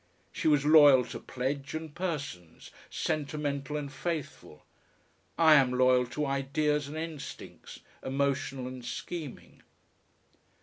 She was loyal to pledge and persons, sentimental and faithful; I am loyal to ideas and instincts, emotional and scheming.